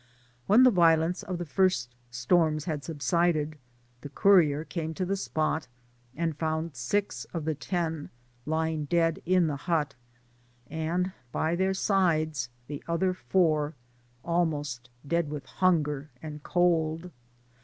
When the violence of the first storms had subsided, the cou* rier came to the spot, and found six of the ten Digitized byGoogk THE GRBAT COBDILLERA. 163 lying dead in the hut> and by their sides the other four aknost dead with hunger and cold.